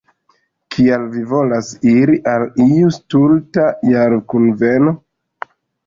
Kial vi volas iri al iu stulta jarkunveno?